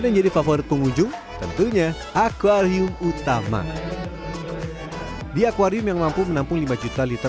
menjadi favorit pengunjung tentunya akwarium utama di akwarium yang mampu menampung lima juta liter